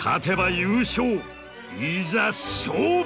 いざ勝負！